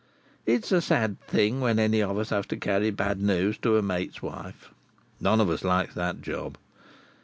It's a sad thing when any of us have to carry bad news to a mate's wife. None of us likes that job.